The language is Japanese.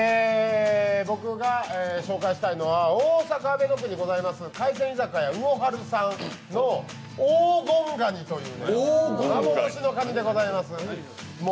僕が紹介したいのは大阪・阿倍野区にございます海鮮居酒屋うおはるさんの黄金ガニという幻のかにでございます。